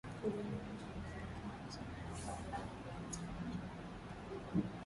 Uganda kuiuzia Kenya kusafirisha bidhaa zake katika mwezi wa kumi